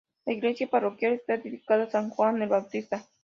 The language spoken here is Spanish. La iglesia parroquial está dedicada a San Juan el Bautista.